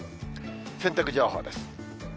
洗濯情報です。